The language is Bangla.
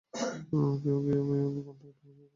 কেউ গিয়ে আমার মেয়ের, মনটা তো ভালো করো।